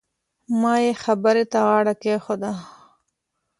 ما يې خبرې ته غاړه کېښووه.